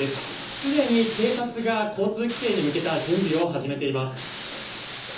すでに警察が交通規制に向けた準備を始めています。